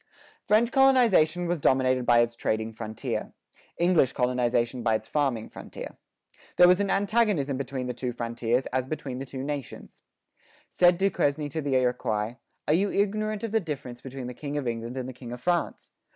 French colonization was dominated by its trading frontier; English colonization by its farming frontier. There was an antagonism between the two frontiers as between the two nations. Said Duquesne to the Iroquois, "Are you ignorant of the difference between the king of England and the king of France?